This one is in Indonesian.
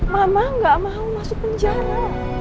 mama gak mau masuk penjara